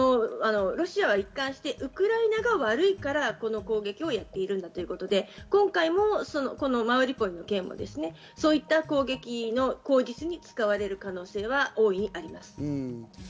ロシアは一貫してウクライナが悪いからこの攻撃をやっているんだということで、今回もマリウポリの件もそういった攻撃の口実に使われる可能性は大いにあります。